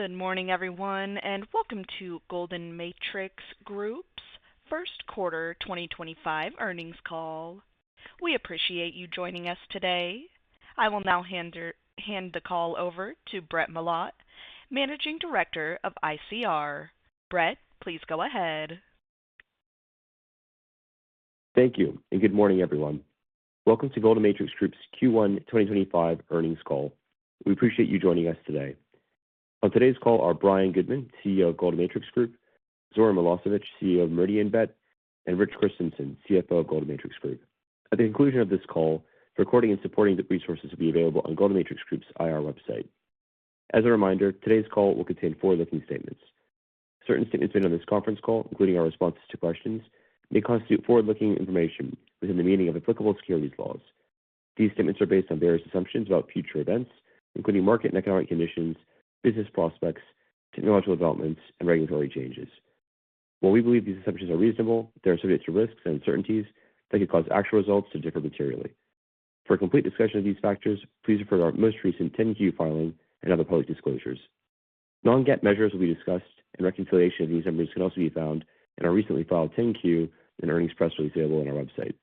Good morning, everyone, and welcome to Golden Matrix Group's first quarter 2025 earnings call. We appreciate you joining us today. I will now hand the call over to Brett Milotte, Managing Director of ICR. Brett, please go ahead. Thank you, and good morning, everyone. Welcome to Golden Matrix Group's Q1 2025 earnings call. We appreciate you joining us today. On today's call are Brian Goodman, CEO of Golden Matrix Group; Zoran Milosevic, CEO of Meridianbet; and Rich Christensen, CFO of Golden Matrix Group. At the conclusion of this call, the recording and supporting resources will be available on Golden Matrix Group's IR website. As a reminder, today's call will contain forward-looking statements. Certain statements made on this conference call, including our responses to questions, may constitute forward-looking information within the meaning of applicable securities laws. These statements are based on various assumptions about future events, including market and economic conditions, business prospects, technological developments, and regulatory changes. While we believe these assumptions are reasonable, they are subject to risks and uncertainties that could cause actual results to differ materially. For a complete discussion of these factors, please refer to our most recent 10Q filing and other public disclosures. Non-GAAP measures will be discussed, and reconciliation of these numbers can also be found in our recently filed 10Q and earnings press release available on our website.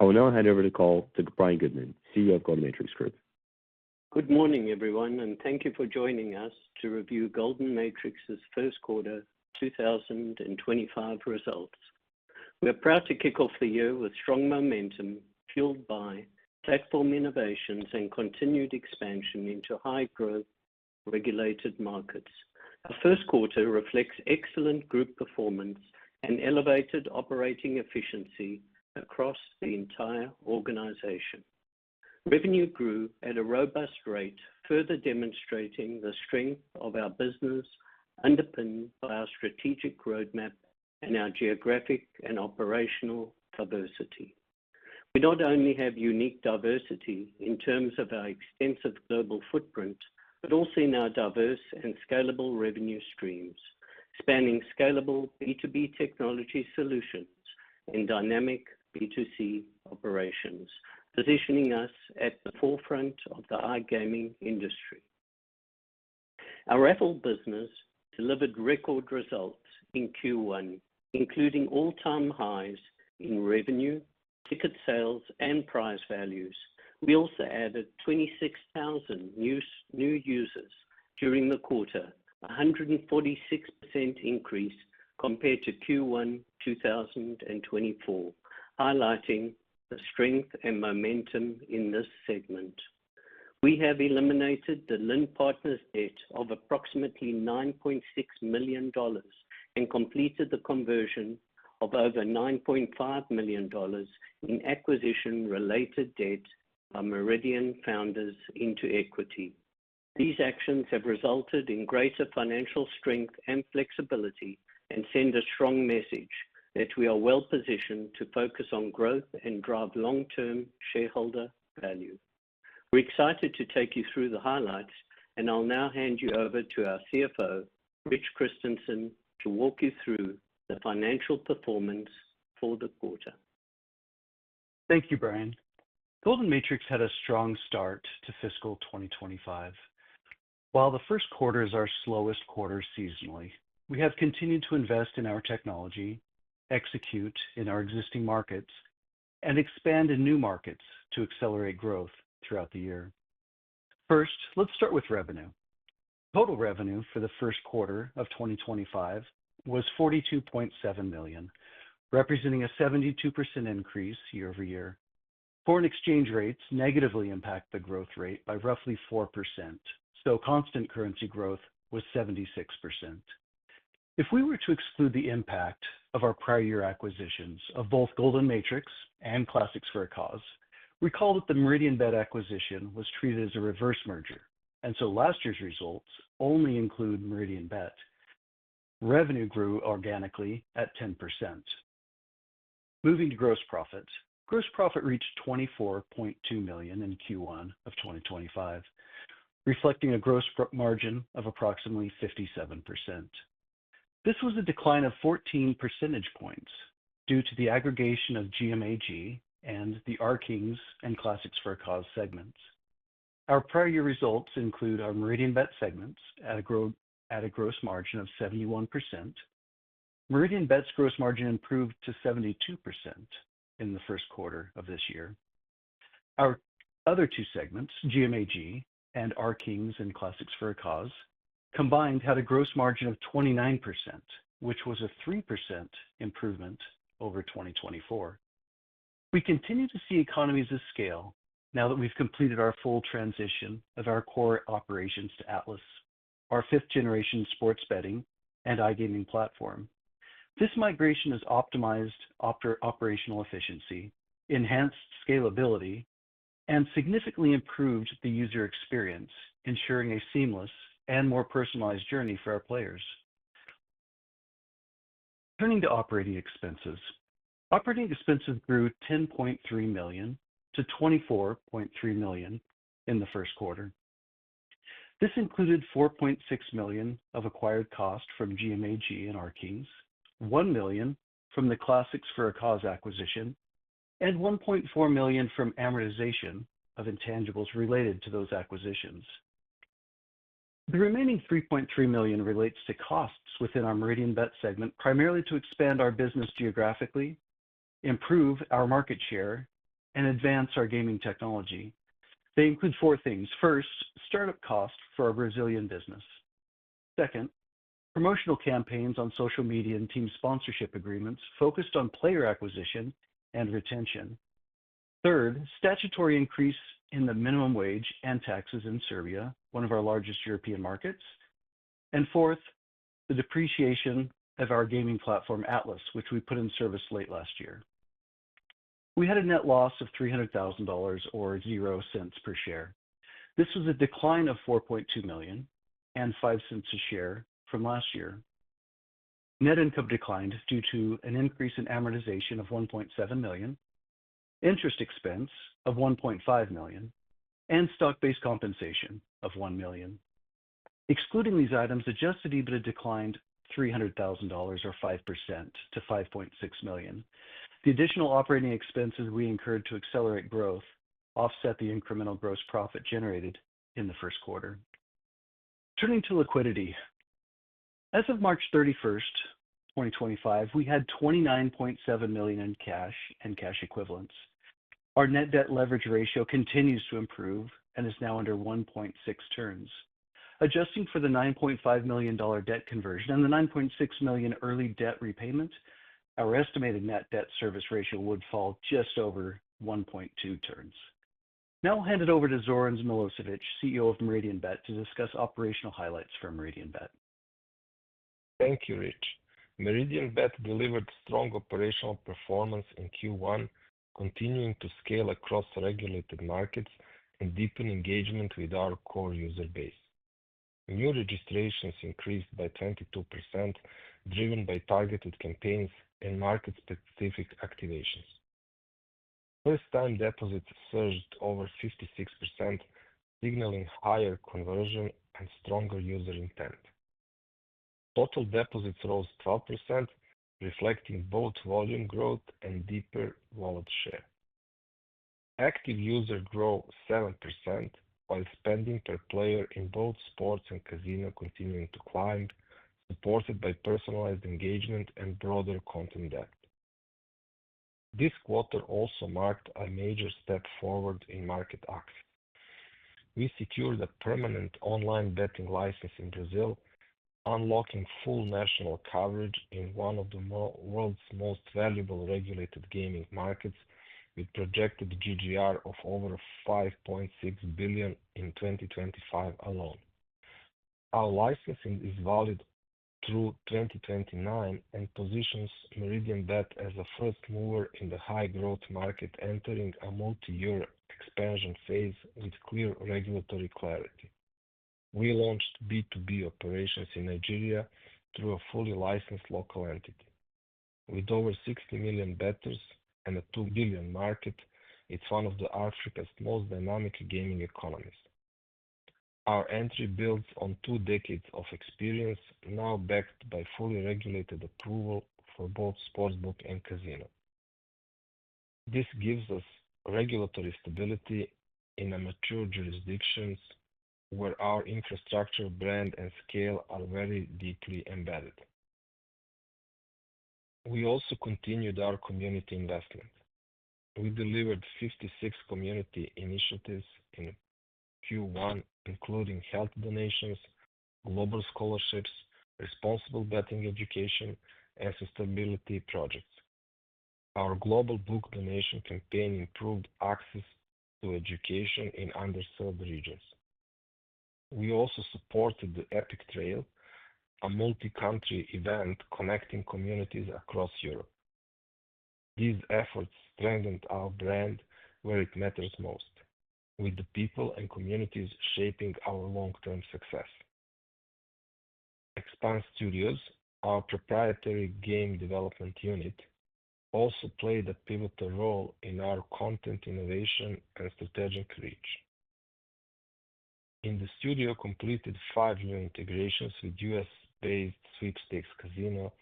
I will now hand over the call to Brian Goodman, CEO of Golden Matrix Group. Good morning, everyone, and thank you for joining us to review Golden Matrix's first quarter 2025 results. We're proud to kick off the year with strong momentum fueled by platform innovations and continued expansion into high-growth regulated markets. Our first quarter reflects excellent group performance and elevated operating efficiency across the entire organization. Revenue grew at a robust rate, further demonstrating the strength of our business underpinned by our strategic roadmap and our geographic and operational diversity. We not only have unique diversity in terms of our extensive global footprint but also in our diverse and scalable revenue streams, spanning scalable B2B technology solutions and dynamic B2C operations, positioning us at the forefront of the iGaming industry. Our raffle business delivered record results in Q1, including all-time highs in revenue, ticket sales, and prize values. We also added 26,000 new users during the quarter, a 146% increase compared to Q1 2024, highlighting the strength and momentum in this segment. We have eliminated The Lind Partners debt of approximately $9.6 million and completed the conversion of over $9.5 million in acquisition-related debt by Meridian Founders into equity. These actions have resulted in greater financial strength and flexibility and send a strong message that we are well-positioned to focus on growth and drive long-term shareholder value. We're excited to take you through the highlights, and I'll now hand you over to our CFO, Rich Christensen, to walk you through the financial performance for the quarter. Thank you, Brian. Golden Matrix had a strong start to fiscal 2025. While the first quarter is our slowest quarter seasonally, we have continued to invest in our technology, execute in our existing markets, and expand in new markets to accelerate growth throughout the year. First, let's start with revenue. Total revenue for the first quarter of 2025 was $42.7 million, representing a 72% increase year-over-year. Foreign exchange rates negatively impact the growth rate by roughly 4%, so constant currency growth was 76%. If we were to exclude the impact of our prior-year acquisitions of both Golden Matrix and Classics For A Cause, recall that the Meridianbet acquisition was treated as a reverse merger, and so last year's results only include Meridianbet. Revenue grew organically at 10%. Moving to gross profit, gross profit reached $24.2 million in Q1 of 2025, reflecting a gross margin of approximately 57%. This was a decline of 14 percentage points due to the aggregation of GMAG and the RKings and Classics for a Cause segments. Our prior-year results include our Meridianbet segments at a gross margin of 71%. Meridianbet's gross margin improved to 72% in the first quarter of this year. Our other two segments, GMAG and R Kings and Classics for a Cause, combined had a gross margin of 29%, which was a 3% improvement over 2024. We continue to see economies of scale now that we've completed our full transition of our core operations to Atlas, our fifth-generation sports betting and iGaming platform. This migration has optimized operational efficiency, enhanced scalability, and significantly improved the user experience, ensuring a seamless and more personalized journey for our players. Turning to operating expenses, operating expenses grew $10.3 million to $24.3 million in the first quarter. This included $4.6 million of acquired cost from GMAG and R Kings, $1 million from the Classics For A Cause acquisition, and $1.4 million from amortization of intangibles related to those acquisitions. The remaining $3.3 million relates to costs within our Meridianbet segment, primarily to expand our business geographically, improve our market share, and advance our gaming technology. They include four things. First, startup cost for a Brazilian business. Second, promotional campaigns on social media and team sponsorship agreements focused on player acquisition and retention. Third, statutory increase in the minimum wage and taxes in Serbia, one of our largest European markets. Fourth, the depreciation of our gaming platform, Atlas, which we put in service late last year. We had a net loss of $300,000 or $0.00 per share. This was a decline of $4.2 million and $0.05 a share from last year. Net income declined due to an increase in amortization of $1.7 million, interest expense of $1.5 million, and stock-based compensation of $1 million. Excluding these items, adjusted EBITDA declined $300,000 or 5% to $5.6 million. The additional operating expenses we incurred to accelerate growth offset the incremental gross profit generated in the first quarter. Turning to liquidity. As of March 31st, 2025, we had $29.7 million in cash and cash equivalents. Our net debt leverage ratio continues to improve and is now under 1.6 turns. Adjusting for the $9.5 million debt conversion and the $9.6 million early debt repayment, our estimated net debt service ratio would fall just over 1.2 turns. Now I'll hand it over to Zoran Milosevic, CEO of Meridianbet, to discuss operational highlights for Meridianbet. Thank you, Rich. Meridianbet delivered strong operational performance in Q1, continuing to scale across regulated markets and deepen engagement with our core user base. New registrations increased by 22%, driven by targeted campaigns and market-specific activations. First-time deposits surged over 56%, signaling higher conversion and stronger user intent. Total deposits rose 12%, reflecting both volume growth and deeper wallet share. Active users grew 7%, while spending per player in both sports and casino continued to climb, supported by personalized engagement and broader content depth. This quarter also marked a major step forward in market access. We secured a permanent online betting license in Brazil, unlocking full national coverage in one of the world's most valuable regulated gaming markets, with projected GGR of over $5.6 billion in 2025 alone. Our licensing is valid through 2029 and positions Meridianbet as a first mover in the high-growth market, entering a multi-year expansion phase with clear regulatory clarity. We launched B2B operations in Nigeria through a fully licensed local entity. With over 60 million bettors and a $2 billion market, it's one of Africa's most dynamic gaming economies. Our entry builds on two decades of experience, now backed by fully regulated approval for both sportsbook and casino. This gives us regulatory stability in mature jurisdictions where our infrastructure, brand, and scale are very deeply embedded. We also continued our community investment. We delivered 56 community initiatives in Q1, including health donations, global scholarships, responsible betting education, and sustainability projects. Our global book donation campaign improved access to education in underserved regions. We also supported the Epic Trail, a multi-country event connecting communities across Europe. These efforts strengthened our brand where it matters most, with the people and communities shaping our long-term success. Expanse Studios, our proprietary game development unit, also played a pivotal role in our content innovation and strategic reach. In the studio, we completed five new integrations with U.S.-based Sweepstakes Casino,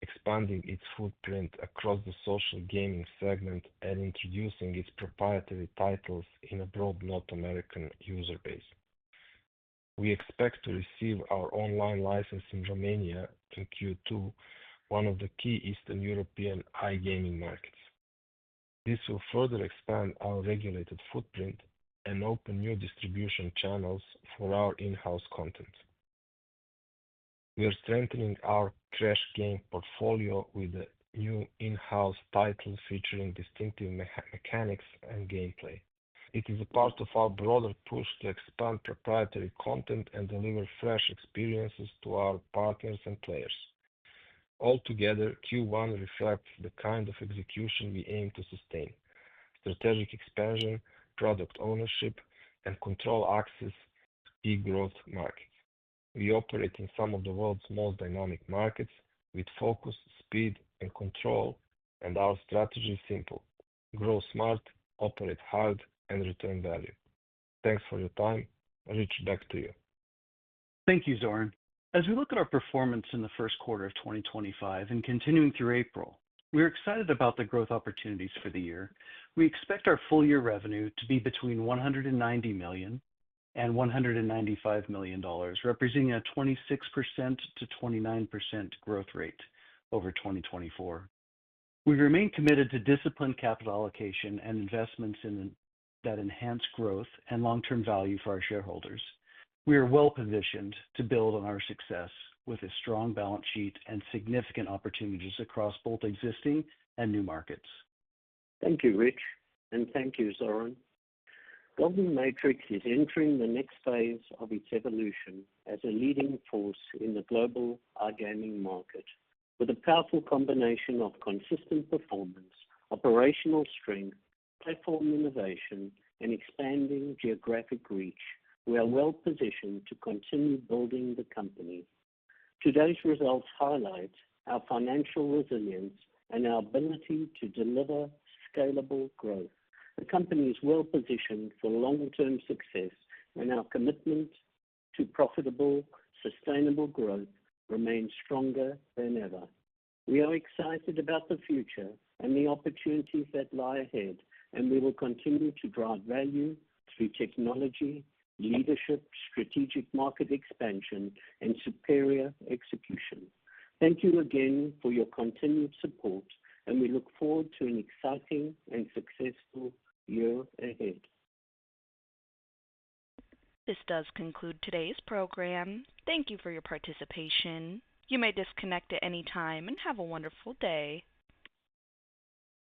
expanding its footprint across the social gaming segment and introducing its proprietary titles in a broad North American user base. We expect to receive our online license in Romania in Q2, one of the key Eastern European iGaming markets. This will further expand our regulated footprint and open new distribution channels for our in-house content. We are strengthening our crash game portfolio with a new in-house title featuring distinctive mechanics and gameplay. It is a part of our broader push to expand proprietary content and deliver fresh experiences to our partners and players. Altogether, Q1 reflects the kind of execution we aim to sustain: strategic expansion, product ownership, and control access to key growth markets. We operate in some of the world's most dynamic markets with focus, speed, and control, and our strategy is simple: grow smart, operate hard, and return value. Thanks for your time. Rich, back to you. Thank you, Zoran. As we look at our performance in the first quarter of 2025 and continuing through April, we're excited about the growth opportunities for the year. We expect our full-year revenue to be between $190 million and $195 million, representing a 26%-29% growth rate over 2024. We remain committed to disciplined capital allocation and investments that enhance growth and long-term value for our shareholders. We are well-positioned to build on our success with a strong balance sheet and significant opportunities across both existing and new markets. Thank you, Rich, and thank you, Zoran. Golden Matrix is entering the next phase of its evolution as a leading force in the global iGaming market. With a powerful combination of consistent performance, operational strength, platform innovation, and expanding geographic reach, we are well-positioned to continue building the company. Today's results highlight our financial resilience and our ability to deliver scalable growth. The company is well-positioned for long-term success, and our commitment to profitable, sustainable growth remains stronger than ever. We are excited about the future and the opportunities that lie ahead, and we will continue to drive value through technology, leadership, strategic market expansion, and superior execution. Thank you again for your continued support, and we look forward to an exciting and successful year ahead. This does conclude today's program. Thank you for your participation. You may disconnect at any time and have a wonderful day.